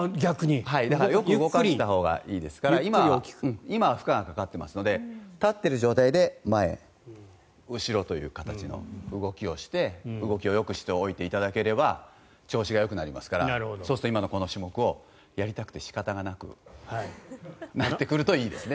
よく動かしたほうがいいですから今負荷がかかってますので立ってる状態で前、後ろという形の動きをして動きをよくしていただければ調子がよくなりますからそうすると今の種目をやりたくて仕方なくなってくるといいですね。